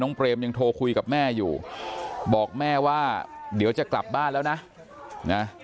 เปรมยังโทรคุยกับแม่อยู่บอกแม่ว่าเดี๋ยวจะกลับบ้านแล้วนะ